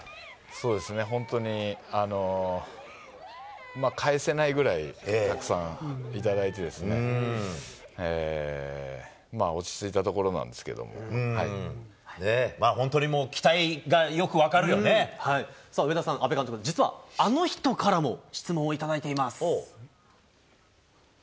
そうですね、本当に、返せないぐらい、たくさん頂いてですね、落ち着いたところなんですけれど本当にもう、上田さん、阿部監督、実はあの人からも質問を頂いています。